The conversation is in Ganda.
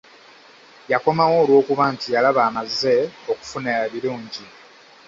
Yakomawo olw'okuba nti yalaba amaze okufuna ebirungi.